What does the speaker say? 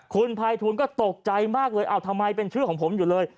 คุณภัยทูลก็ตกใจมากเลยทำไมเป็นชื่อของผมอยู่เลย